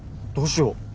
どうしよう。